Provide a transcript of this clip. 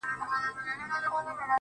نيت چي دی درسمه او سمه آئينه را واخلم_